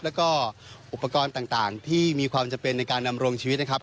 แล้วก็อุปกรณ์ต่างที่มีความจำเป็นในการดำรงชีวิตนะครับ